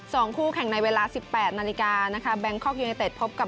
คู่แข่งในเวลาสิบแปดนาฬิกานะคะแบงคอกยูเนเต็ดพบกับ